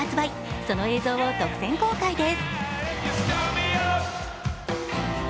その映像を独占公開です。